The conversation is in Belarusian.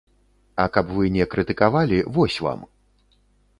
А каб вы не крытыкавалі, вось вам!